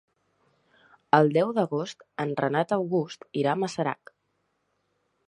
El deu d'agost en Renat August irà a Masarac.